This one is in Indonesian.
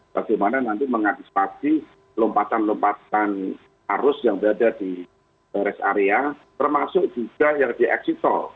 bagaimana nanti mengantisipasi lompatan lompatan arus yang berada di rest area termasuk juga yang di exit tol